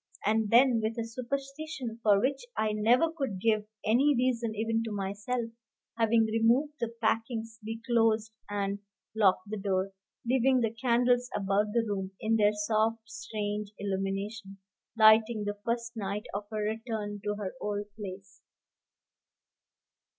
And then, with a superstition for which I never could give any reason even to myself, having removed the packings, we closed and locked the door, leaving the candles about the room, in their soft, strange illumination, lighting the first night of her return to her old place.